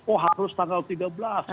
oh harus tanggal tiga belas